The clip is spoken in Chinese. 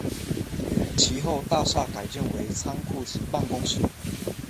其后大厦改建为仓库及办公室。